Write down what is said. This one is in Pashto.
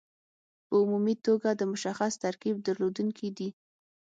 په عمومي توګه د مشخص ترکیب درلودونکي دي.